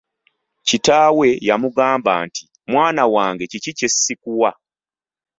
Kitaawe yamugamba nti, “Mwana wange, kiki kye sikuwa?”